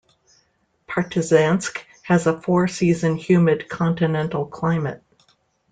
Partizansk has a four-season humid continental climate.